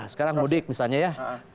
sekarang mudik misalnya ya